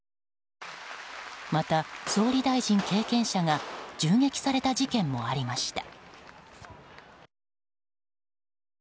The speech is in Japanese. また、総理大臣経験者が銃撃された事件もありました。